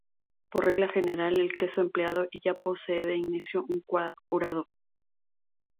Por regla general el queso empleado ya posee de inicio un curado.